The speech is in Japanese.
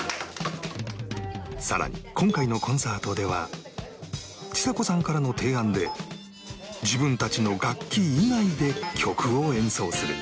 さらに今回のコンサートではちさ子さんからの提案で自分たちの楽器以外で曲を演奏する